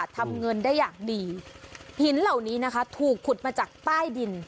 ทำเงินได้อย่างดีหินเหล่านี้นะคะถูกขุดมาจากใต้ดิน